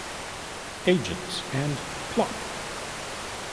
Agents", and "Plop!